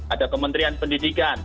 ada kementerian pendidikan